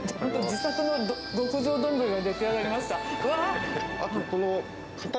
自作の極上丼が出来上がりました。